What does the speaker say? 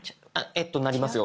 えっとなりますよ